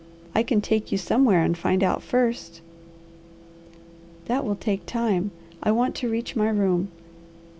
I can take you somewhere and find out first." "That will take time. I want to reach my room.